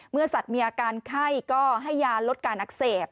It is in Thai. สัตว์มีอาการไข้ก็ให้ยาลดการอักเสบ